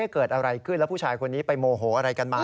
เกิดอะไรขึ้นแล้วผู้ชายคนนี้ไปโมโหอะไรกันมา